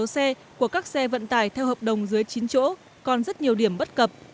các loạt biển số xe của các xe vận tải theo hợp đồng dưới chín chỗ còn rất nhiều điểm bất cập